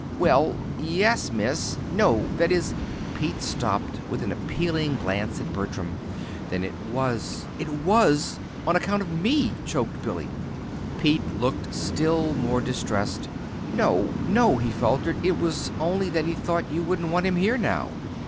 "Why, yes, Miss no that is " Pete stopped with an appealing glance at Bertram. "Then it was it was on account of me," choked Billy. Pete looked still more distressed "No, no!" he faltered. "It was only that he thought you wouldn't want him here now."